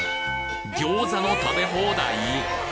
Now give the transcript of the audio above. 餃子の食べ放題！？